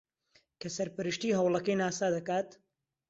کە سەرپەرشتیی ھەوڵەکەی ناسا دەکات